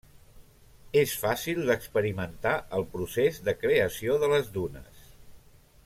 És fàcil d'experimentar el procés de creació de les dunes.